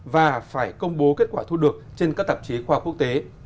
và phải công bố kết quả thu được trên các tạp chế khoa học quốc tế